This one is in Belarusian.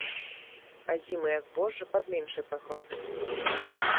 Азімыя збожжа пад меншай пагрозай.